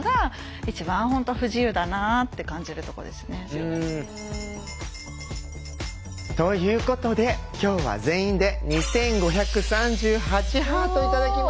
やっぱりということできょうは全員で２５３８ハート頂きました。